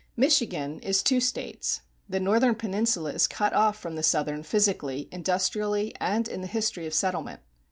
Michigan is two States. The northern peninsula is cut off from the southern physically, industrially, and in the history of settlement.